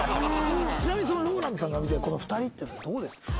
ちなみにＲＯＬＡＮＤさんから見てこの２人っていうのはどうですか？